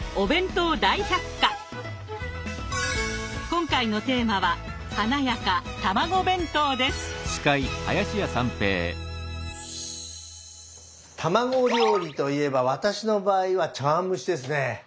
今回のテーマは卵料理といえば私の場合は茶わん蒸しですね。